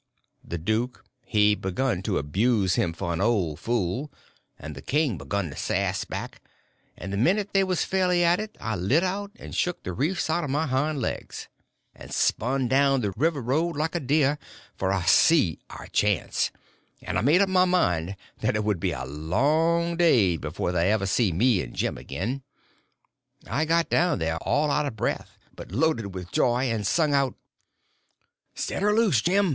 The duke he begun to abuse him for an old fool, and the king begun to sass back, and the minute they was fairly at it I lit out and shook the reefs out of my hind legs, and spun down the river road like a deer, for I see our chance; and I made up my mind that it would be a long day before they ever see me and Jim again. I got down there all out of breath but loaded up with joy, and sung out: "Set her loose, Jim!